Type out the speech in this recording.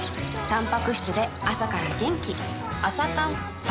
たんぱく質で朝から元気